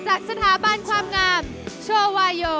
จากสถาบันความงามโชวาโย